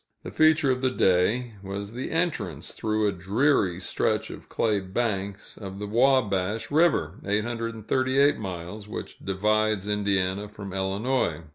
The feature of the day was the entrance, through a dreary stretch of clay banks, of the Wabash River (838 miles), which divides Indiana from Illinois.